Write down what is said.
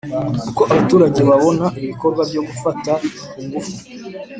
Uko abaturage babona ibikorwa byo gufata ku ngufu